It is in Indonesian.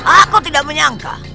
aku tidak menyangka